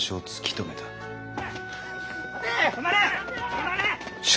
止まれ！